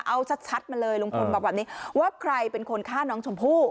เอาชัดมาเลยลุงพลบอกแบบนี้ว่าใครเป็นคนฆ่าน้องชมพู่